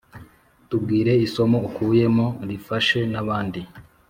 tubwire isomo ukuyemo rifashe n’abandi.